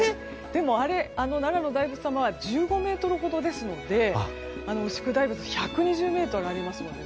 でも、あの奈良の大仏様は１５ｍほどですので牛久大仏は１２０ｍありますので